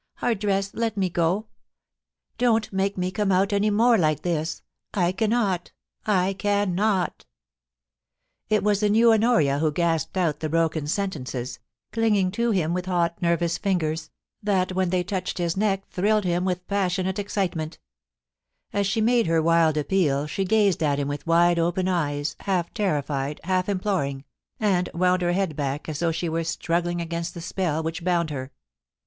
Hardress, let me go ; don't make me come out any more like this. I cannot — I cannot !' It was a new Honoria who gasped out the broken sen tences, clinging to him with hot nervous fingers, that when they touched his neck thrilled him with passionate excite ment As she made her wild appeal she ga/cd at him with wide open eyes, half terrified, half imploring, and wound her head back as though she were struggling against the spell which bound her.